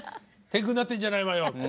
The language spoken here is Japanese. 天狗になってんじゃないわよって。